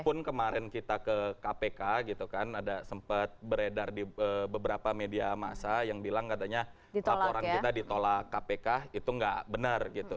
walaupun kemarin kita ke kpk gitu kan ada sempat beredar di beberapa media masa yang bilang katanya laporan kita ditolak kpk itu nggak benar gitu